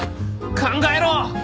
考えろ！